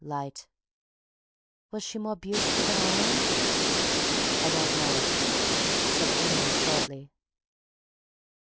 "Light." "Was she more beautiful than I am?" "I don't know," said Amory shortly.